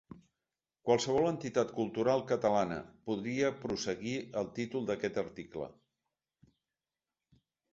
“Qualsevol entitat cultural catalana”, podria prosseguir el títol d’aquest article.